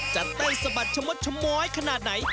จะแต่นสมัดชมอยขนาดไหน